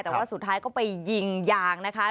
แต่ว่าสุดท้ายก็ไปยิงยางนะคะ